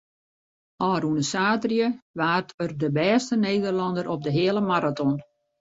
Ofrûne saterdei waard er de bêste Nederlanner op de heale maraton.